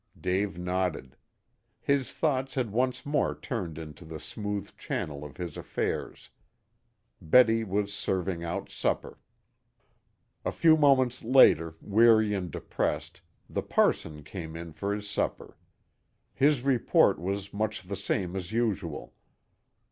Dave nodded. His thoughts had once more turned into the smooth channel of his affairs. Betty was serving out supper. A few moments later, weary and depressed, the parson came in for his supper. His report was much the same as usual.